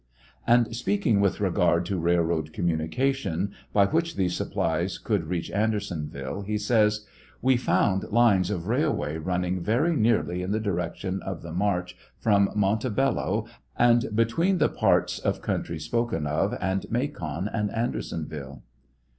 And speaking with regard to railroad communication by which these supplies could reach Andersouville, he says : We found lines of railway running very nearly in the direction of the march from Monte Bello, and between the parts of country spoken of, and Macon and Andersonville.